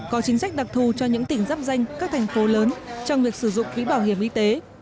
có chính sách đặc thù cho những tỉnh giáp danh các thành phố lớn trong việc sử dụng quỹ bảo hiểm y tế